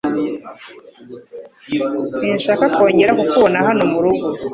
Sinshaka kongera kukubona hano mu rugo